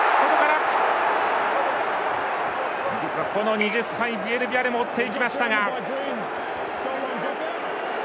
２０歳の、ビエルビアレも追っていきましたが。